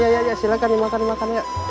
ya ya ya silahkan dimakan dimakan ya